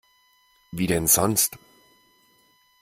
Wie denn sonst?